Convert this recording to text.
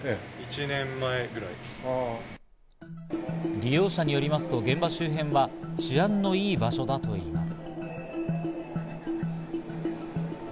利用者によりますと現場周辺は治安のいい場所だといいます。